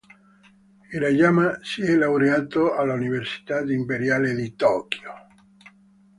Hirayama si è laureato all'Università Imperiale di Tokyo.